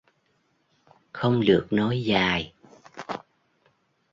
Không được nói dài